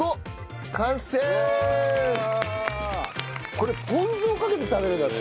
これポン酢をかけて食べるんだって。